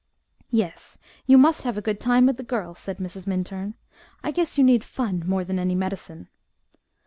"Yes, you must have a good time with the girls," said Mrs. Minturn. "I guess you need fun more than any medicine."